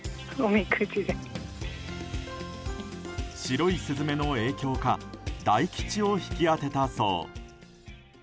白いスズメの影響か大吉を引き当てたそう。